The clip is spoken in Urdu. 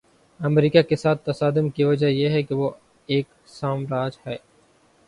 امریکہ کے ساتھ تصادم کی وجہ یہ ہے کہ وہ ایک سامراج ہے۔